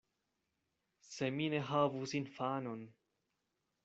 Se mi ne havus infanon!